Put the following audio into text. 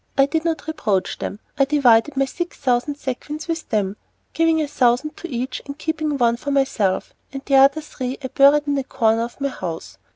I did not reproach them. I divided my six thousand sequins with them, giving a thousand to each and keeping one for myself, and the other three I buried in a corner of my house.